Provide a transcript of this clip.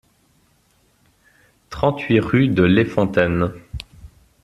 trente-huit rue de Lez-Fontaine